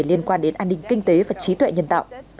liên quan đến an ninh kinh tế và trí tuệ nhân tạo